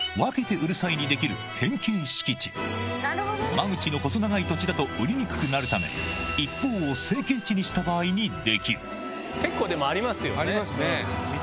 間口の細長い土地だと売りにくくなるため一方を整形地にした場合にできるありますね。